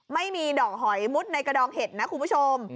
ไม่มีดอกหอยมุดในกระดองเห็ดนะคุณผู้ชม